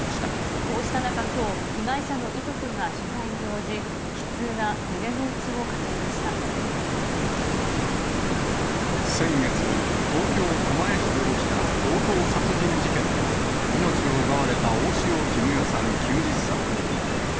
こうした中、きょう、被害者の遺族が取材に応じ、先月、東京・狛江市で起きた強盗殺人事件で、命を奪われた大塩衣与さん９０歳。